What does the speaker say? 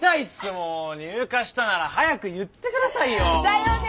もう入荷したなら早く言って下さいよ。だよね！